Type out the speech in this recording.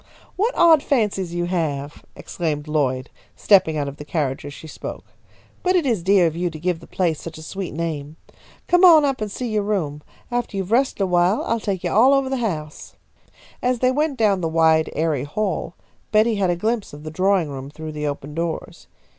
"What odd fancies you have!" exclaimed Lloyd, stepping out of the carriage as she spoke. "But it is dear of you to give the place such a sweet name. Come on up and see your room. After you have rested awhile I'll take you all over the house." As they went down the wide, airy hall, Betty had a glimpse of the drawing room through the open doors.